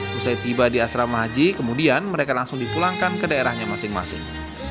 setelah tiba di asrama haji kemudian mereka langsung dipulangkan ke daerahnya masing masing